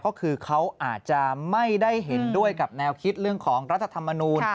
ก็คือเขาอาจจะไม่ได้เห็นด้วยกับแนวคิดเรื่องของรัฐธรรมนูล